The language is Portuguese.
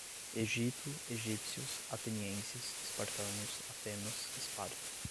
Egito, egípcios, atenienses, espartanos, Atenas, Esparta